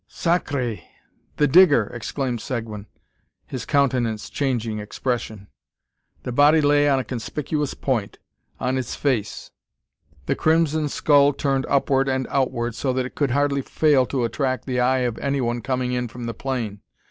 "Sac r r re! the Digger!" exclaimed Seguin, his countenance changing expression. The body lay on a conspicuous point, on its face, the crimson skull turned upward and outward, so that it could hardly fail to attract the eye of anyone coming in from the plain.